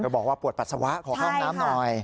เธอบอกว่าปวดปัสสาวะก็ขอห้องน้ำหน่อย